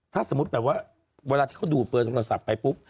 ถ้าสมมุติแบบว่าเวลาที่เขาดูเบอร์โทรศัพท์ไปปุ๊บ